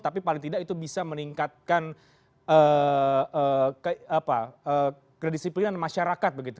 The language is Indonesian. tapi paling tidak itu bisa meningkatkan kedisiplinan masyarakat begitu